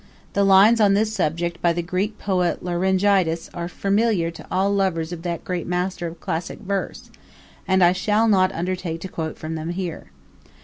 The lines on this subject by the Greek poet Laryngitis are familiar to all lovers of that great master of classic verse, and I shall not undertake to quote from them here.